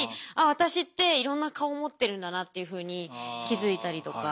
私っていろんな顔を持ってるんだなっていうふうに気付いたりとか。